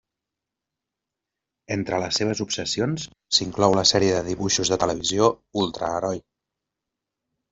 Entre les seves obsessions s'inclou la sèrie de dibuixos de televisió Ultra Heroi.